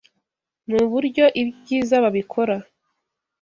Nuburyo ibyiza babikora.